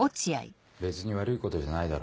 別に悪いことじゃないだろ。